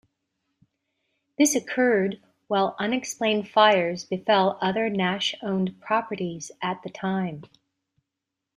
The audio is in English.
This occurred while unexplained fires befell other Nash-owned properties at the time.